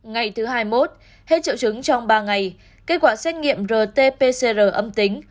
ngày thứ hai mươi một hết triệu chứng trong ba ngày kết quả xét nghiệm rt pcr âm tính